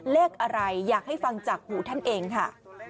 เลขอะไรอยากให้ฟังจากหูท่านเองค่ะ